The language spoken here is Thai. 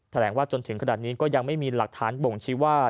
แหลงว่าจนถึงขนาดนี้ก็ยังไม่มีหลักฐานบ่งชี้ว่า